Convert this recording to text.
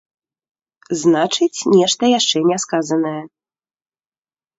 Значыць, нешта яшчэ не сказанае.